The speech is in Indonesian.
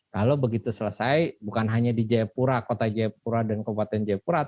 lalu begitu selesai bukan hanya di jaya pura kota jaya pura dan kabupaten jaya pura